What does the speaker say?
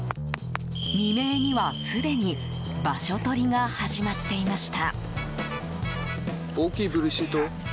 未明には、すでに場所取りが始まっていました。